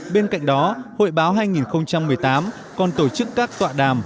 bên cạnh đó hội báo hai nghìn một mươi tám còn tổ chức các tọa đàm